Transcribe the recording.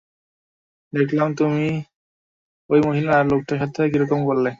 দেখলাম তো তুমি ঐ মহিলা আর লোকটার সাথে কীরকম করলে।